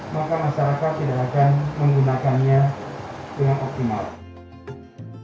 maka masyarakat tidak akan menggunakannya dengan optimal